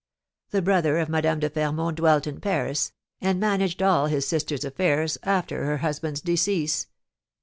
The brother of Madame de Fermont dwelt in Paris, and managed all his sister's affairs after her husband's decease.